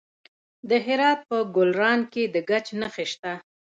د هرات په ګلران کې د ګچ نښې شته.